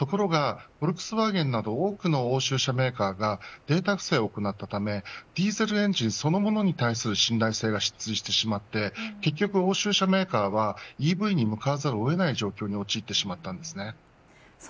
ところがフォルクスワーゲンなど多くの欧州車メーカーがデータ不正を行ったためディーゼルエンジンそのものに対する信頼性が失墜してしまって結局、欧州車メーカーはＥＶに向かわざるを得ない状況に陥ってしまったんです。